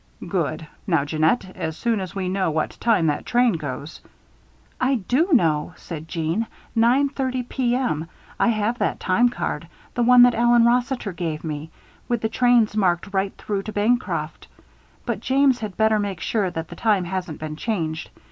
"Good. Now, Jeannette, as soon as we know what time that train goes " "I do know," said Jeanne. "Nine thirty, P.M. I have that time card the one that Allen Rossiter gave me with the trains marked right through to Bancroft. But James had better make sure that the time hasn't been changed.